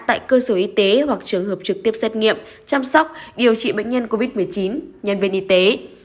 tại cơ sở y tế hoặc trường hợp trực tiếp xét nghiệm chăm sóc điều trị bệnh nhân covid một mươi chín nhân viên y tế